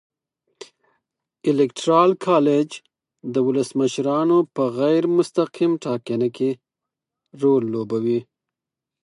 الېکترال کالج د ولسمشرانو په غیر مستقیمه ټاکنه کې رول لوبوي.